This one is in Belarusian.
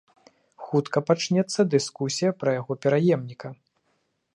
Хутка пачнецца дыскусія пра яго пераемніка.